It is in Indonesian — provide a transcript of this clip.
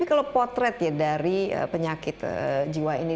tapi kalau potret ya dari penyakit jiwa ini